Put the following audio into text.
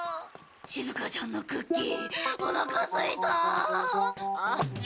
しずかちゃんのクッキーおなかすいた。